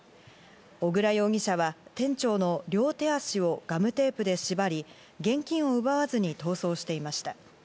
小椋容疑者は店長の両手足をガムテープで縛り、現金を奪わずに逃走していました。